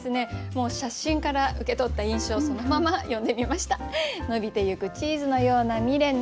もう写真から受け取った印象そのまま詠んでみました。